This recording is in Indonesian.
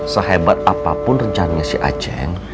sehebat apapun rencananya si aceh